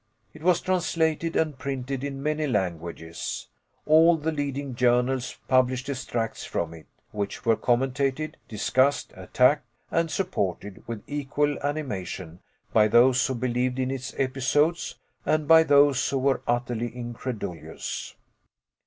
It was translated and printed in many languages. All the leading journals published extracts from it, which were commentated, discussed, attacked, and supported with equal animation by those who believed in its episodes, and by those who were utterly incredulous.